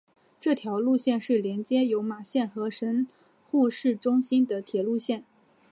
这条线路是连接有马线和神户市中心的铁路线。